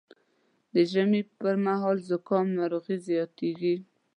د ژمي پر مهال د زکام ناروغي زیاتېږي